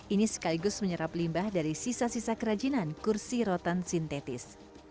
ini sekaligus menyerap limbah dari sisa sisa kerajinan kursi rotan sintetis